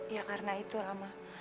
ya karena itu rama